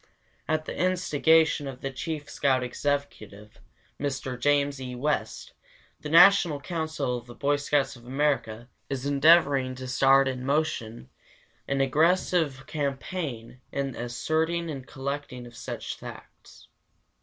At the instigation of the chief scout executive, Mr. James E. West, the National Council of the Boy Scouts of America is endeavoring to start in motion an aggressive campaign in the ascertaining and collecting of such facts.